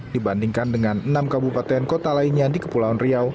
dibandingkan dengan enam kabupaten kota lainnya di kepulauan riau